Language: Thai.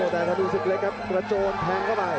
แต่ตรงนี้สุดเล็กครับประโจทย์แทงเข้าไป